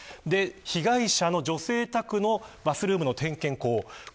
被害者の女性宅のバスルームの点検口